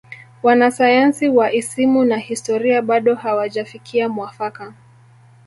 Wanasayansi wa isimu na historia bado hawajafikia mwafaka